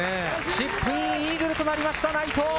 チップインイーグルとなりました、内藤！